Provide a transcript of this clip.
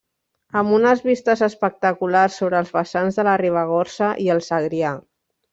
Amb unes vistes espectaculars sobre els vessants de la Ribagorça i el Segrià.